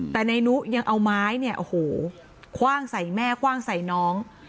แต่นายนุยังเอาไม้เนี่ยโอ้โหคว่างใส่แม่คว่างใส่น้อง